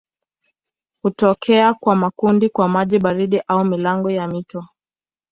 Hutokea kwa makundi kwa maji baridi au milango ya mito.